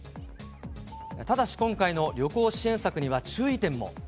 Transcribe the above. ただし今回の旅行支援策には注意点も。